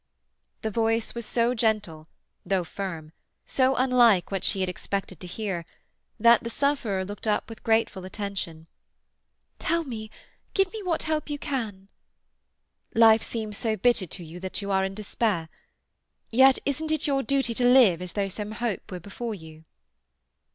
The voice was so gentle, though firm—so unlike what she had expected to hear—that the sufferer looked up with grateful attention. "Tell me—give me what help you can." "Life seems so bitter to you that you are in despair. Yet isn't it your duty to live as though some hope were before you?"